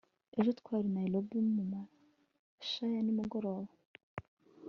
ejo twari nayirobi mumasha yanimugoroba